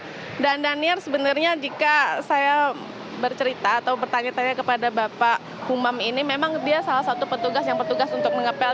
pak daniel sebenarnya jika saya bercerita atau bertanya tanya kepada bapak umar ini memang dia salah satu petugas yang petugas untuk ngepel